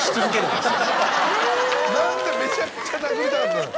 何でめちゃくちゃ殴りたかった？